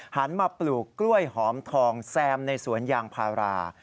หันมาปลูกกล้วยหอมทองแซมในสวนยางพารา